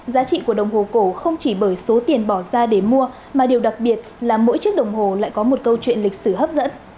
giá trị của đồng hồ cổ không chỉ bởi số tiền bỏ ra để mua mà điều đặc biệt là mỗi chiếc đồng hồ lại có một câu chuyện lịch sử hấp dẫn